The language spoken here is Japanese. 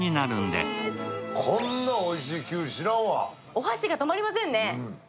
お箸が止まりませんね